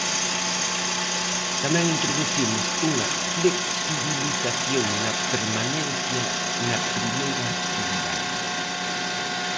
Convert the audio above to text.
Tamén introducimos unha flexibilización na permanencia na primeira actividade.